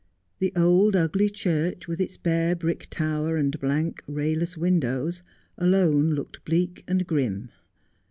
The old ugly church, with its bare brick tower and blank rayless windows, alone looked Dieak and grim.